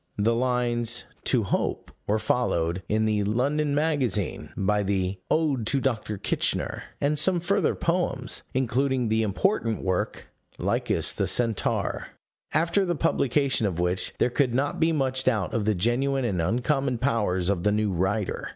The lines To Hope were followed, in the London Magazine, by the Ode to Dr. Kitchener and some further poems, including the important work, Lycus the Centaur after the publication of which, there could not be much doubt of the genuine and uncommon powers of the new writer.